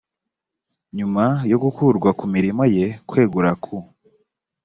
nyuma yo gukurwa ku mirimo ye kwegura ku